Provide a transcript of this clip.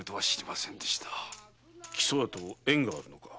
木曽屋と縁があるのか？